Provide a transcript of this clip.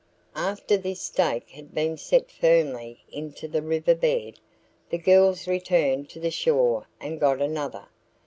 After this stake had been set firmly into the river bed, the girls returned to the shore and got another.